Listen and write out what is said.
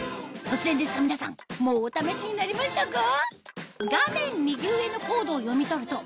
突然ですが皆さんもうお試しになりましたか？